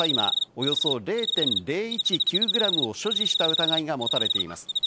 およそ０．０１９グラムを所持した疑いが持たれています。